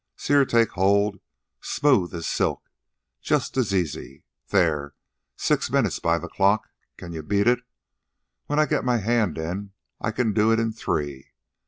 See her take hold. Smooth as silk. Just as easy.... There! Six minutes by the clock. Can you beat it? When I get my hand in, I can do it in three.